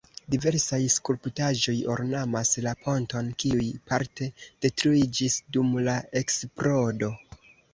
Diversaj skulptaĵoj ornamas la ponton, kiuj parte detruiĝis dum la eksplodo.